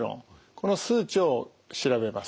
この数値を調べます。